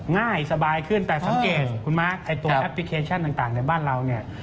ง่ายสบายขึ้นแต่สังเกตคุณมาร์คไอ้ตัวแอปพลิเคชันต่างในบ้านเราเนี่ย